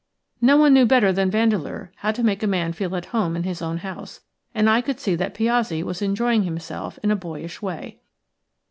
No one knew better than Vandeleur how to make a man feel at home in his own house, and I could see that Piozzi was enjoying himself in a boyish way.